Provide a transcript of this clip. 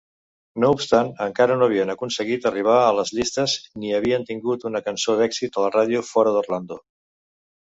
No obstant, encara no havien aconseguit arribar a les llistes ni havien tingut una cançó d"èxit a la ràdio fora d"Orlando.